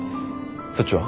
そっちは？